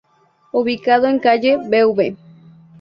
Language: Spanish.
Ubicado en calle Bv.